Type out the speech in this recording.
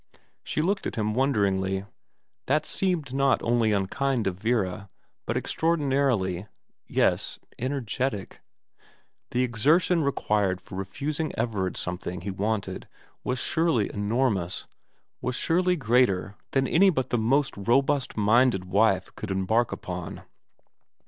She looked at him wonderingly. That seemed not only unkind of Vera, but extraordinarily yes, energetic. The exertion required for refusing Everard something he wanted was surely enormous, was surely greater than any but the most robust minded wife could embark upon.